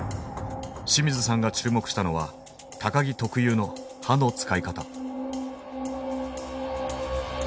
清水さんが注目したのは木特有の刃の使い方。